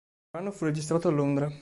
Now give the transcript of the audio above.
Il brano fu registrato a Londra.